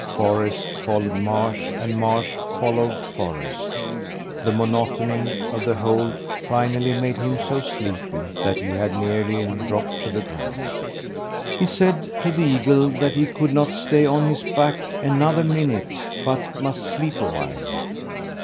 Forest followed marsh and marsh followed forest. The monotony of the whole finally made him so sleepy that he had nearly dropped to the ground. He said to the eagle that he could not stay on his back another minute, but must sleep awhile.